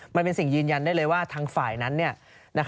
มันเป็นสิ่งยืนยันได้เลยว่าทางฝ่ายนั้น